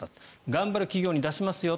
頑張る企業に出しますよ